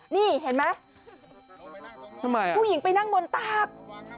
นี่เห็นไหมทำไมผู้หญิงไปนั่งบนตาก